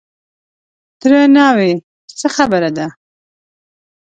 _تره ناوې! څه خبره ده؟